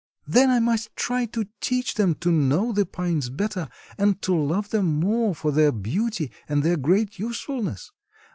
"Then I must try to teach them to know the pines better and to love them more for their beauty and their great usefulness.